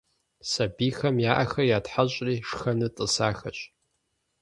Сабийхэм я ӏэхэр ятхьэщӏри шхэну тӏысахэщ.